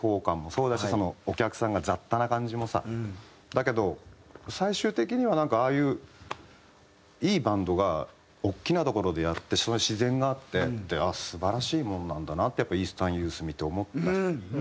だけど最終的にはなんかああいういいバンドが大きな所でやって自然があってってああ素晴らしいものなんだなってやっぱｅａｓｔｅｒｎｙｏｕｔｈ見て思った。